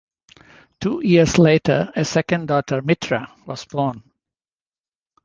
Two years later a second daughter, Mitra, was born.